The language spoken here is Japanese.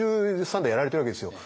５３代やられてるわけですよ。